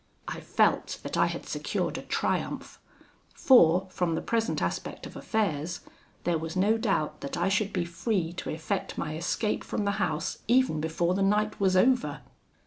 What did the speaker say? I felt that I had secured a triumph; for, from the present aspect of affairs, there was no doubt that I should be free to effect my escape from the house even before the night was over.